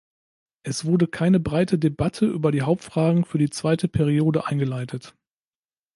Es wurde keine breite Debatte über die Hauptfragen für die zweite Periode eingeleitet.